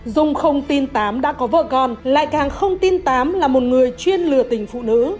dung không tin tám đã có vợ con lại càng không tin tám là một người chuyên lừa tình phụ nữ